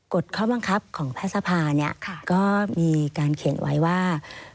ฎข้อบังคับของแพทย์สภาเนี่ยก็มีการเขียนไว้ว่า